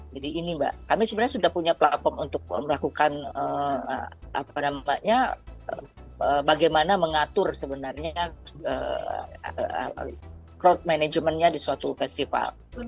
jadi ini mbak kami sebenarnya sudah punya platform untuk melakukan apa namanya bagaimana mengatur sebenarnya crowd managementnya di suatu festival